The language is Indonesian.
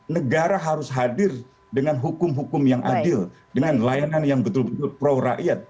negara harus hadir dengan hukum hukum yang adil dengan layanan yang betul betul pro rakyat